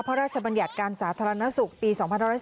พระราชบัญญัติการสาธารณสุขปี๒๔